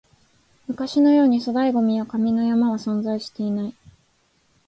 昔のように粗大ゴミや紙の山は存在していない